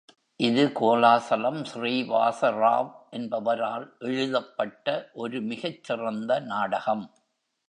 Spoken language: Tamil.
இது கோலாசலம் ஸ்ரீனிவாசராவ் என்பவரால் எழுதப்பட்ட ஒரு மிகச் சிறந்த நாடகம்.